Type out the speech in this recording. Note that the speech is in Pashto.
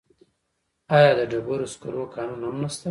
آیا د ډبرو سکرو کانونه هم نشته؟